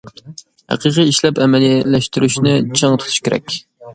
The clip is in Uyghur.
ھەقىقىي ئىشلەپ، ئەمەلىيلەشتۈرۈشنى چىڭ تۇتۇش كېرەك.